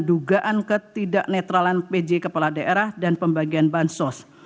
dugaan ketidak netralan pj kepala daerah dan pembagian bansos